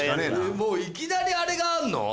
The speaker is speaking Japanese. もういきなりあれがあんの？